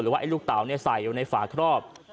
ว่าไอ้ลูกเต๋าใส่อยู่ในฝาครอบ